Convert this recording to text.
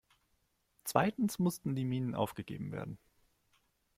Zweitens mussten die Minen aufgegeben werden.